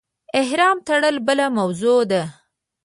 احرام تړل بله موضوع ده.